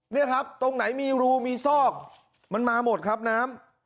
นี่ครับตรงไหนมีรูมีซอกมันมาหมดครับน้ำ